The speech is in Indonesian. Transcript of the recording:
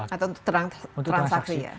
atau untuk transaksi ya